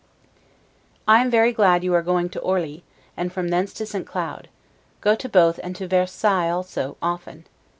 I am very glad you are going to Orli, and from thence to St. Cloud; go to both, and to Versailles also, often.